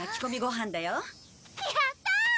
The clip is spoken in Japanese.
やったー！